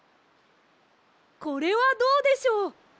これはどうでしょう。